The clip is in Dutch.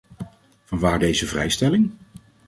Vanwaar deze vrijstelling?